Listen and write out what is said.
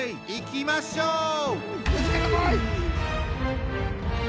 いきましょう！